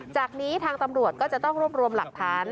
จากนี้ทางตำรวจก็จะต้องรวบรวมหลักฐาน